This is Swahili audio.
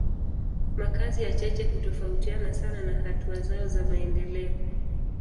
Makazi ya cheche hutofautiana sana na hatua zao za maendeleo.